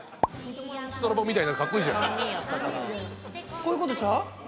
こういうことちゃう？